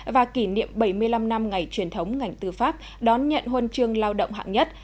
và kỷ niệm bảy mươi năm năm ngày truyền thống ngành tư pháp đón nhận huân chương lao động hạng nhất